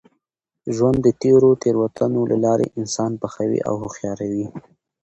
ژوند د تېرو تېروتنو له لاري انسان پخوي او هوښیاروي.